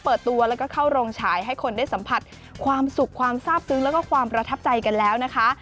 เปิดตัวแล้วก็เข้าโรงฉายให้คนได้สัมผัสความสุขความทราบซึ้งแล้วก็ความประทับใจกันแล้วนะคะ